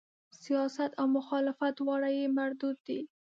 سیاست او مخالفت دواړه یې مردود دي.